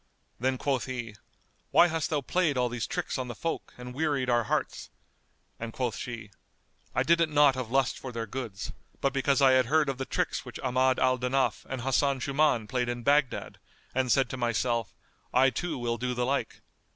Then quoth he, "Why hast thou played all these tricks on the folk and wearied our hearts?" and quoth she, "I did it not of lust for their goods, but because I had heard of the tricks which Ahmad al Danaf and Hasan Shuman played in Baghdad and said to myself, 'I too will do the like.